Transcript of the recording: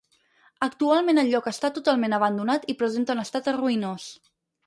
Actualment el lloc està totalment abandonat i presenta un estat ruïnós.